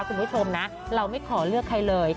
คุณผู้ชมนะเราไม่ขอเลือกใครเลย